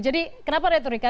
jadi kenapa retorika